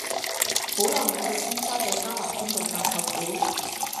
好耐無去尖沙咀加拿分道探舅父